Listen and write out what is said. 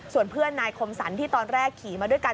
ส่วนเพื่อนนายคมสรรที่ตอนแรกขี่มาด้วยกัน